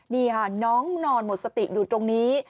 นี่ค่ะน้องนอนหมดสติอยู่ตรงนี้